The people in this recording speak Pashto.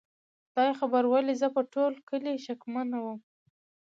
خدای خبر ولې زه په ټول کلي شکمنه ومه؟